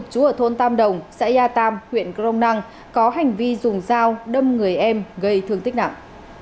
chú ở thôn tam đồng xã ya tam huyện crong năng có hành vi dùng dao đâm người em gây thương tích nặng